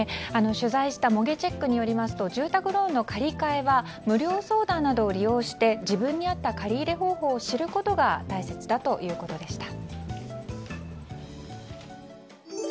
取材した模擬チェックによりますと住宅ローンの借り換えは無料相談などを利用して自分に合った借り入れ方法を知ることが大切だということでした。